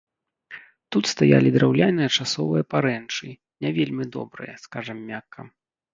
Тут стаялі драўляныя часовыя парэнчы, не вельмі добрыя, скажам мякка.